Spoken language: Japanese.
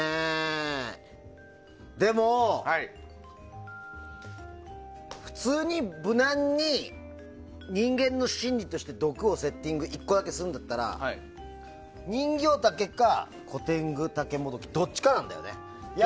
でも、普通に無難に人間の心理として毒をセッティング１個だけするんだったらニンギョウタケかコテングタケモドキどっちかなんだよね。